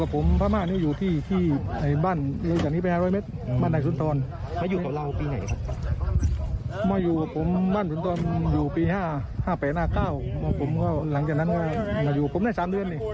ผมมั่นอยู่ตอนปี๕๘๕๙หรือผมได้อยู่ปี๕๘๕๙